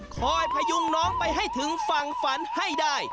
พยุงน้องไปให้ถึงฝั่งฝันให้ได้